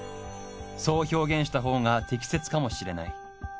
そう表現したほうが適切かもしれない。